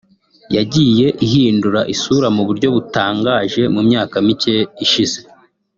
yagiye ihindura isura mu buryo butangaje mu myaka micye ishize